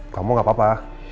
kamu gak apa apa